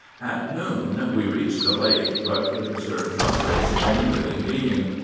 At noon we reached the lake, but could observe no trace of any living being.